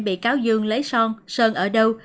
bị cáo dương lấy son sơn ở đâu